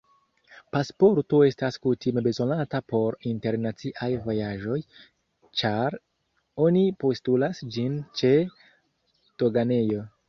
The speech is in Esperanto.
Pasporto estas kutime bezonata por internaciaj vojaĝoj, ĉar oni postulas ĝin ĉe doganejo.